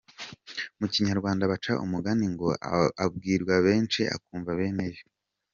Mu Kinyarwanda baca umugani ngo abwirwa benshi akumva beneyo.